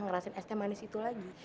ngerasain es teh manis itu lagi